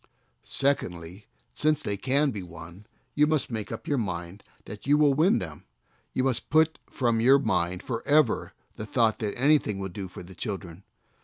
Secondly, since they can be won, you must make up your mind that you will win them ; you must put from your mind forever the thought that "anything will do for the children."